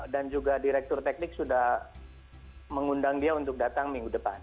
dan juga direktur teknik sudah mengundang dia untuk datang minggu depan